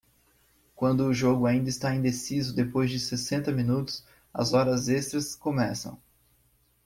Quando o jogo ainda está indeciso depois de sessenta minutos, as horas extras começam.